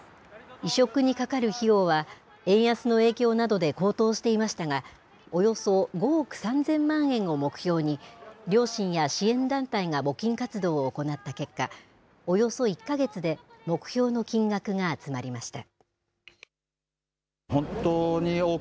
移植にかかる費用は円安の影響などで高騰していましたがおよそ５億３０００万円を目標に両親や支援団体が募金活動を行った結果およそ１か月で目標の金額が集まりました。